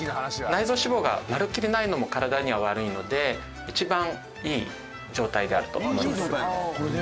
内臓脂肪がまるっきりないのも体には悪いので一番いい状態であると思います。